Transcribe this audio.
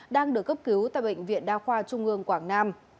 đang được cấp cứu tại bệnh viện đa khoa trung ương quảng nam